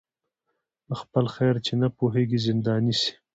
په خپل خیر چي نه پوهیږي زنداني سي